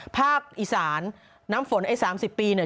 ภาคอีสานน้ำฝนไอ้๓๐ปีเนี่ย